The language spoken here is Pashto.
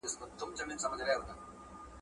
د زړه له تله له خلګو سره مينه وکړئ.